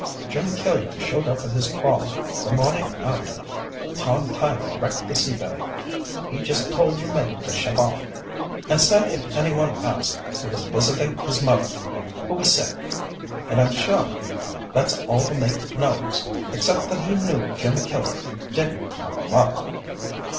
Jim Killian showed up at his trawler the morning after Tom Tyler wrecked the Sea Belle. He just told the mate to shove off without him, and said if anyone asked, he was visiting his mother, who was sick. And I'm sure that's all the mate knows, except that he knew Jim Killian didn't have a mother."